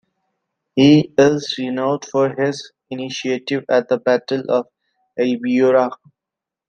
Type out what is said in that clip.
He is renowned for his initiative at the Battle of Albuera.